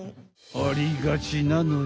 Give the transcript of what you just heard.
ありがちなのよ。